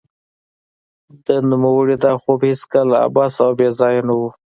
د نوموړي دا خوب هېڅکله عبث او بې ځای نه و